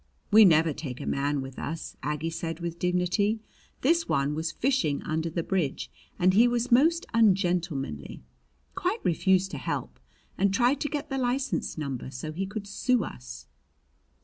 "We never take a man with us," Aggie said with dignity. "This one was fishing under the bridge and he was most ungentlemanly. Quite refused to help, and tried to get the license number so he could sue us."